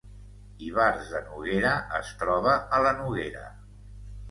Ivars de Noguera es troba a la Noguera